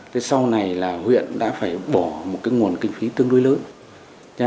thế sau này là huyện đã phải bỏ một cái nguồn kinh phí tương đối lớn